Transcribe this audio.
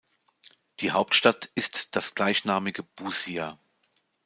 Die Hauptstadt ist das gleichnamige Busia.